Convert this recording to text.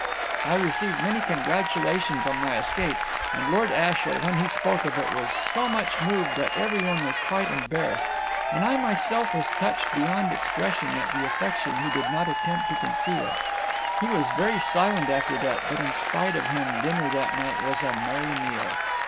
I received many congratulations on my escape, and Lord Ashiel, when he spoke of it, was so much moved that every one was quite embarrassed, and I myself was touched beyond expression at the affection he did not attempt to conceal. He was very silent after that, but in spite of him dinner that night was a merry meal.